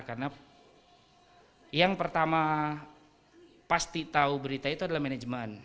karena yang pertama pasti tahu berita itu adalah manajemen